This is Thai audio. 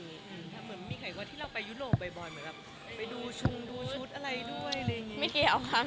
มีใครว่าที่เราไปยุโรปบ่อยเหมือนแบบไปดูชุมดูชุดอะไรด้วยอะไรอย่างนี้